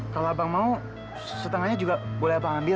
kalau abang mau setengahnya juga boleh abang ambil